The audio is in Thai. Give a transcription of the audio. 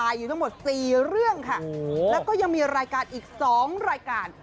อยู่ทั้งหมด๔เรื่องค่ะแล้วก็ยังมีรายการอีก๒รายการ